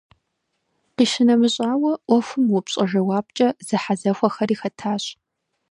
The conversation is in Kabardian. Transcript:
Къищынэмыщӏауэ, ӏуэхум упщӏэ–жэуапкӏэ зэхьэзэхуэхэри хэтащ.